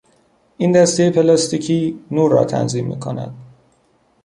این دستهی پلاستیکی نور را تنظیم میکند.